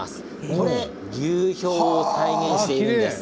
これ、流氷を再現しているんです。